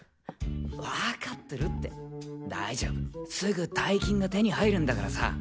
わかってるって大丈夫すぐ大金が手に入るんだからさ。